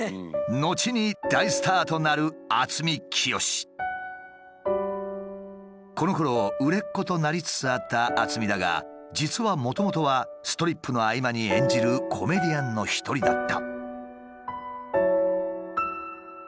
後に大スターとなるこのころ売れっ子となりつつあった渥美だが実はもともとはストリップの合間に演じるコメディアンの一人だった。